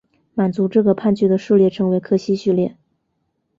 满足这个判据的数列称为柯西序列。